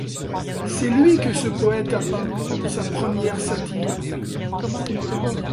C'est lui que ce poète a peint dans sa première satire.